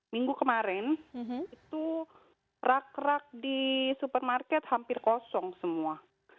minggu kemarin itu rak rak di supermarket hampir kosong semua